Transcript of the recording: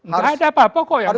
gak ada apa apa kok yang satu